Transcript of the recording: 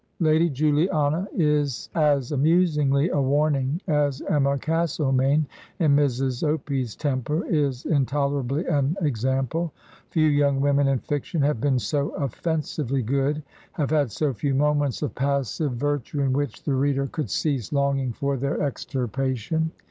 n Lady Juliana is as amusingly a warning as Emma Castlemain in Mrs. Opie's "Temper" is intolerably an example. Few yoimg women in fiction have beai so offensively good, have had so few moments of passive virtue in which the reader could cease longing for their extirpation.